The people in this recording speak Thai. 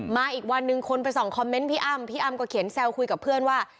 อีกวันหนึ่งคนไปส่องคอมเมนต์พี่อ้ำพี่อ้ำก็เขียนแซวคุยกับเพื่อนว่า